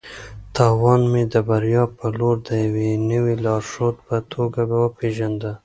تاوان مې د بریا په لور د یوې نوې لارښود په توګه وپېژانده.